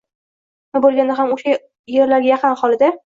nima bo‘lganda ham o‘sha yerlarga yaqin aholida